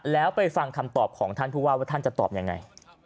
แล้วไปฟังคำตอบของท่านผู้ว่าว่าท่านจะตอบยังไง